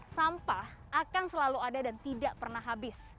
sampah akan selalu ada dan tidak pernah habis